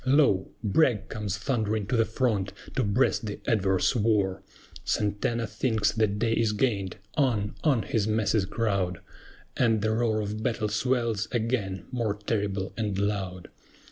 Lo! BRAGG comes thundering to the front, to breast the adverse war! SANTANA thinks the day is gained! On, on his masses crowd, And the roar of battle swells again more terrible and loud.